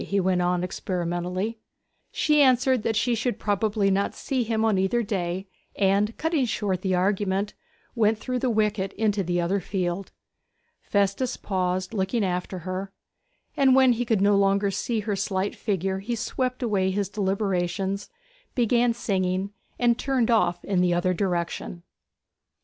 he went on experimentally. She answered that she should probably not see him on either day, and, cutting short the argument, went through the wicket into the other field. Festus paused, looking after her; and when he could no longer see her slight figure he swept away his deliberations, began singing, and turned off in the other direction.